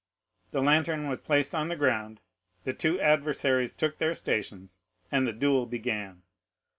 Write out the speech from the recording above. The lantern was placed on the ground, the two adversaries took their stations, and the duel began.